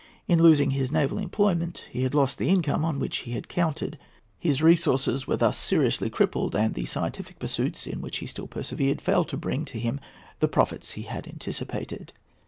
In losing his naval employment he lost the income on which he had counted. His resources were thus seriously crippled; and the scientific pursuits, in which he still persevered, failed to bring to him the profit that he anticipated.